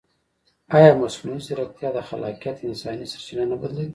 ایا مصنوعي ځیرکتیا د خلاقیت انساني سرچینه نه بدلوي؟